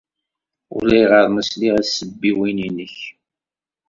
Ulayɣer ma sliɣ i tsebbiwin-nnek.